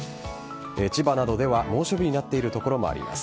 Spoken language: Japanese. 千葉などでは猛暑日になっている所もあります。